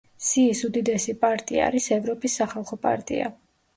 სიის უდიდესი პარტია არის ევროპის სახალხო პარტია.